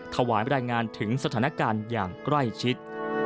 รายงานถึงสถานการณ์อย่างใกล้ชิด